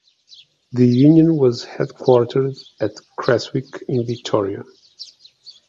The union was headquartered at Creswick in Victoria.